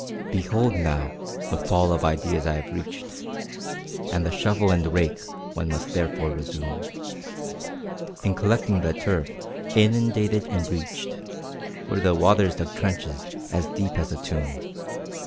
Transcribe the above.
Behold now the Fall of ideas I have reached, And the shovel and rake one must therefore resume, In collecting the turf, inundated and breached, Where the waters dug trenches as deep as a tomb.